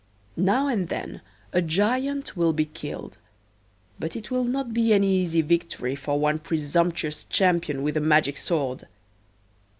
Now and then a giant will be killed, but it will not be any easy victory for one presumptuous champion with a magic sword.